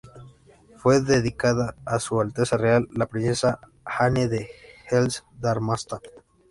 Fue dedicada a Su Alteza Real la princesa Anne de Hesse-Darmstadt.